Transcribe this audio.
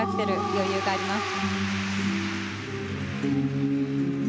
余裕があります。